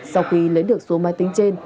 sau khi lấy được số mê tính trên